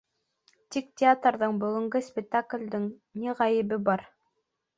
Тик театрҙың, бөгөнгө спектаклдең ни ғәйебе бар?